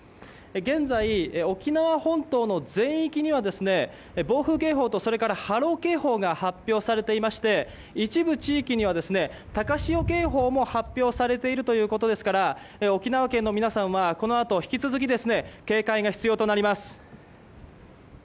現在、沖縄本島の全域には暴風警報とそれから波浪警報が発表されていまして一部地域には高潮警報も発表されているということですから沖縄県の皆さんはこのあと引き続き警戒が必要となります。